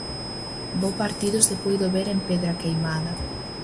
Bo partido se puido ver en Pedra Queimada.